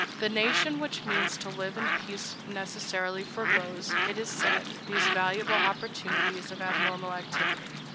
The nation which means to live in peace necessarily foregoes, it is said, these valuable opportunities of abnormal activity.